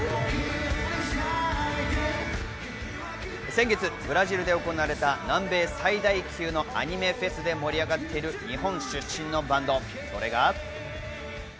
先月、ブラジルで行われた南米最大級のアニメフェスで盛り上がっている日本出身のバンド、それが。